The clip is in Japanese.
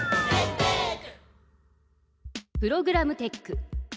プログラムテック。